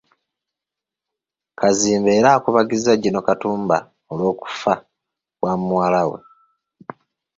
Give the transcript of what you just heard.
Kaziimba era akubagizza Gen. Katumba olw’okufa kwa muwala we.